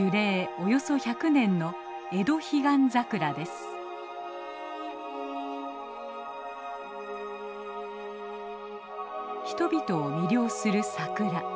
およそ１００年の人々を魅了する桜。